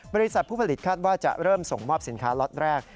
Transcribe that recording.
บริษัทผู้ผลิตคาดว่าจะเริ่มส่งมอบสินค้าล็อตแรก